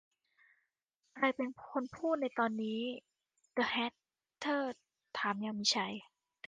'ใครเป็นคนพูดในตอนนี้ ?' เดอะแฮทเทอร์ถามอย่างมีชัย